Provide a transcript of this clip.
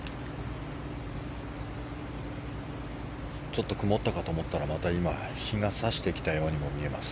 ちょっと曇ったかと思ったら今、また日が差してきたようにも見えます。